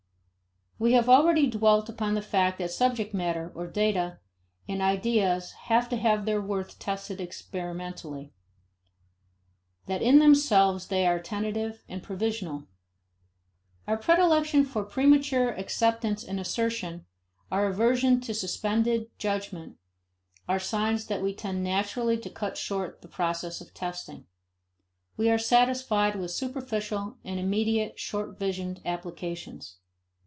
We have already dwelt upon the fact that subject matter, or data, and ideas have to have their worth tested experimentally: that in themselves they are tentative and provisional. Our predilection for premature acceptance and assertion, our aversion to suspended judgment, are signs that we tend naturally to cut short the process of testing. We are satisfied with superficial and immediate short visioned applications.